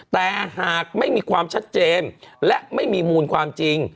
แต่หากไม่มีความชัดเจนและไม่มีมูลความจริง